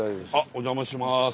お邪魔します。